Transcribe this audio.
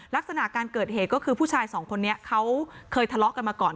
ลักษณะการเกิดเหตุก็คือผู้ชายสองคนนี้เขาเคยทะเลาะกันมาก่อน